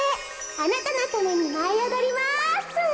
あなたのためにまいおどります！